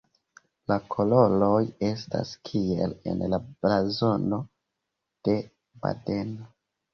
La koloroj estas kiel en la blazono de Badeno.